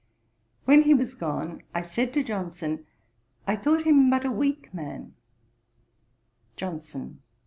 When he was gone, I said to Johnson, I thought him but a weak man. JOHNSON.